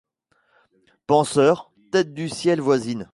Penseurs, têtes du ciel voisines